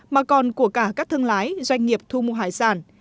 mà còn của cả các thương lái doanh nghiệp thu mua hải sản